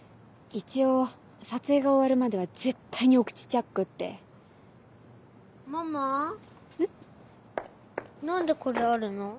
一応撮影が終わるまでは「絶対にお口チャック」って。ママ？ん？何でこれあるの？